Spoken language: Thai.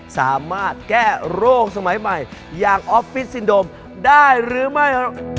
สามารถแก้โรคสมัยใหม่อย่างออฟฟิศซินโดมได้หรือไม่